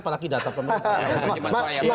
apalagi data pemerintah